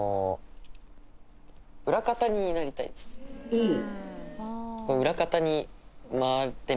おお。